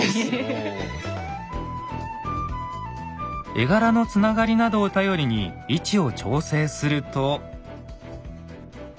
絵柄のつながりなどを頼りに位置を調整すると。